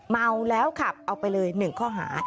เมาแล้วขับเอาไปเลย๑ข้อหา